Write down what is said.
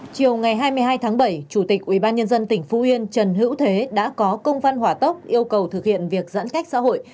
chiều ngày hai mươi hai tháng bảy chủ tịch ubnd tỉnh phú yên trần hữu thế đã có công văn hỏa tốc yêu cầu thực hiện việc giãn cách xã hội